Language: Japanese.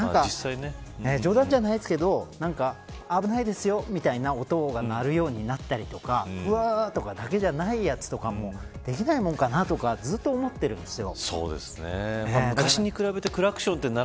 冗談じゃないですけど危ないですよみたいな音が鳴るようになったりとかブアーっとかだけじゃないやつとかもできないものなのかなと思ってるんですよ。